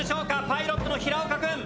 パイロットの平岡くん。